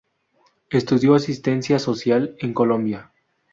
Estudió Asistencia Social en Colombia.